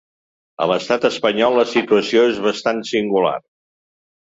A l’estat espanyol la situació és bastant singular.